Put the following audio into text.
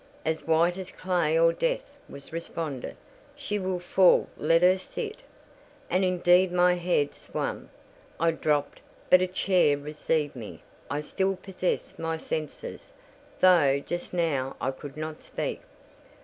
"As white as clay or death," was responded. "She will fall: let her sit." And indeed my head swam: I dropped, but a chair received me. I still possessed my senses, though just now I could not speak.